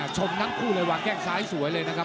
ชมทั้งคู่เลยวางแข้งซ้ายสวยเลยนะครับ